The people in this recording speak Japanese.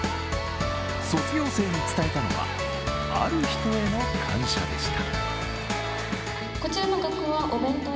卒業生に伝えたのはある人への感謝でした。